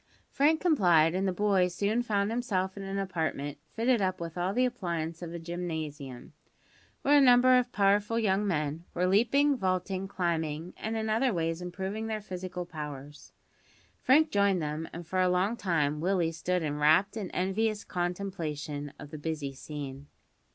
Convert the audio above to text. Frank complied, and the boy soon found himself in an apartment fitted up with all the appliances of a gymnasium, where a number of powerful young men were leaping, vaulting, climbing, and in other ways improving their physical powers. Frank joined them, and for a long time Willie stood in rapt and envious contemplation of the busy scene.